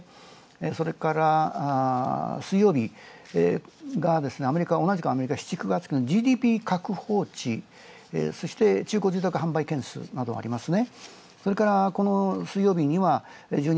それから、水曜日がアメリカ、同じくアメリカ、７−９月期のＧＤＰ確報値、中古住宅販売件数などありますね。